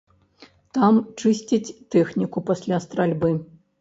Там чысцяць тэхніку пасля стральбы.